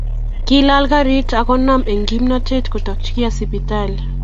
Kiilal garit akonam eng kimnatet kotokchikei sipitali